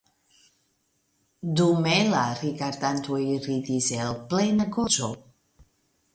Dume la rigardantoj ridis el plena gorĝo.